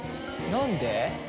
何で？